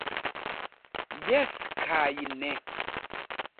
Jes kaj ne.